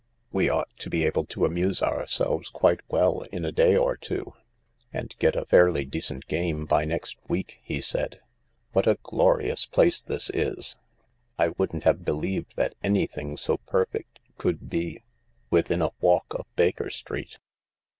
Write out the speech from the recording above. " We ought to be able to amuse ourselves quite well in a day or two, and get a fairly decent game by next week," he said. " What a glorious place this is I I wouldn't have believed that anything so perfect could be — within a walk of Baker Street."